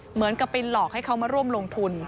เหมือนกับไปหลอกให้เขามาร่วมลงทุน